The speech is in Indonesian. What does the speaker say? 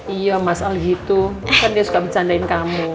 iya mas al gitu kan dia suka bercandain kamu